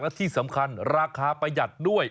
และที่สำคัญราคาประหยัดด้วย